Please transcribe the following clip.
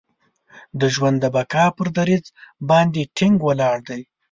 د ژوند د بقا پر دریځ باندې ټینګ ولاړ دی.